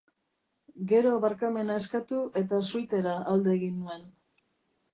Gero barkamena eskatu eta suitera alde egin nuen.